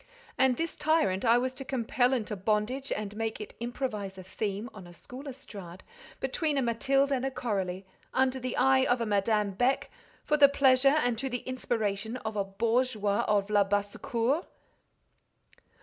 And this tyrant I was to compel into bondage, and make it improvise a theme, on a school estrade, between a Mathilde and a Coralie, under the eye of a Madame Beck, for the pleasure, and to the inspiration of a bourgeois of Labassecour!